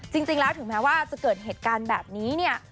จริงแล้วถึงแม้ว่าจะเกิดเหตุการณ์แบบนี้เนี่ย